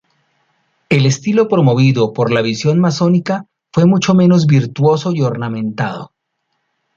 El estilo promovido por la visión masónica fue mucho menos virtuoso y ornamentado.